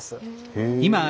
へえ。